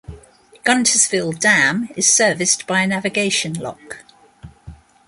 Guntersville Dam is serviced by a navigation lock.